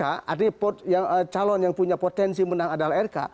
artinya calon yang punya potensi menang adalah rk